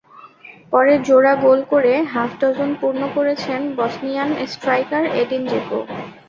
পরে জোড়া গোল করে হাফ ডজন পূর্ণ করেছেন বসনিয়ান স্ট্রাইকার এডিন জেকো।